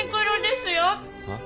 はっ？